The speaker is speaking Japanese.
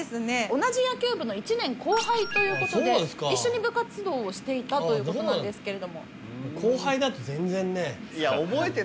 同じ野球部の１年後輩ということで一緒に部活動をしていたということなんですけれども後輩だと全然ねいや覚えてないのよ